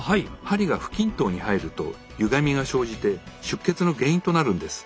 針が不均等に入るとゆがみが生じて出血の原因となるんです。